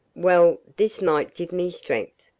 Well, this might give me strength.